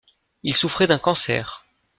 Il souffrait d'un cancer.